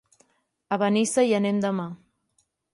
A Benissa hi anem demà.